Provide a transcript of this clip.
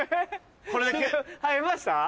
生えました？わ。